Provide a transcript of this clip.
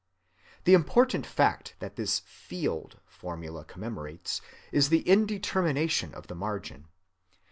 The important fact which this "field" formula commemorates is the indetermination of the margin.